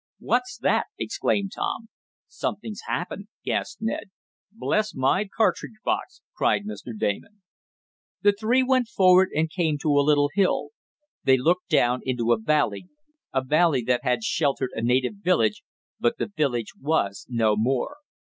"What's that?" exclaimed Tom. "Something's happened!" gasped Ned. "Bless my cartridge box!" cried Mr. Damon. The three went forward and came to a little hill. They looked down into a valley a valley that had sheltered a native village, but the village was no more.